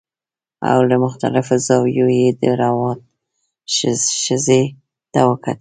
او له مختلفو زاویو یې د روات ښځې ته وکتل